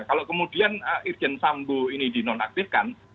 kalau kemudian irjen sambo ini dinonaktifkan